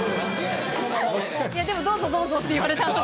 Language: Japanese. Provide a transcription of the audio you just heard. でも、どうぞどうぞって言われたんで。